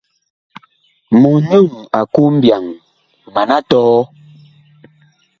Mɔnyɔŋ a ku mbyaŋ, mana tɔhɔ.